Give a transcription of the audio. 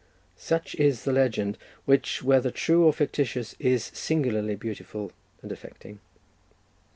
Such is the legend, which, whether true or fictitious, is singularly beautiful and affecting.